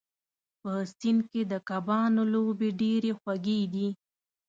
په سیند کې د کبانو لوبې ډېرې خوږې دي.